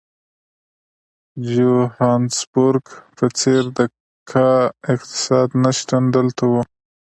د جوهانسبورګ په څېر د کا اقتصاد نه شتون دلته وو.